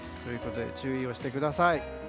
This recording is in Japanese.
注意をしてください。